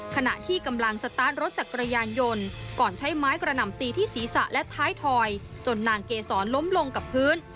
ขณะที่กำลังสตาร์ทรถจักรยานยนต์ก่อนใช้ไม้กระหน่ำตีที่ศีรษะและท้ายถอยจนนางเกษรล้มลงกับพื้น